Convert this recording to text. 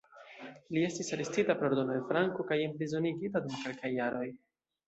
Li estis arestita pro ordono de Franco kaj enprizonigita dum kelkaj jaroj.